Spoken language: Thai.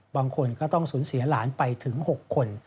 บางคนก็ต้องสูญเสียหลานไปถึง๖คน